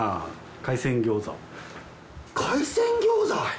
海鮮餃子？